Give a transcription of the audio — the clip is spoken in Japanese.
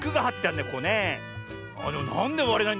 あっでもなんでわれないんだろう？